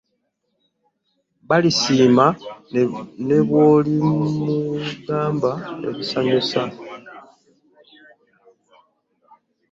Talisiima ne bw'olimugamba ebisanyusa.